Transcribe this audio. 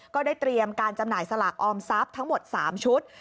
ก็ได้เตรียมการจำหน่ายสลากออมทรัพย์ทั้งหมด๓ชุด